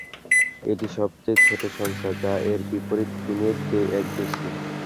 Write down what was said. এটি সবচেয়ে ছোট সংখ্যা যা এর বিপরীত তিনের চেয়ে এক বেশি।